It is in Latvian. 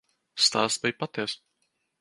Stāsts bija patiess.